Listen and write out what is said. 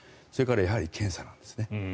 それからやはり検査なんですね。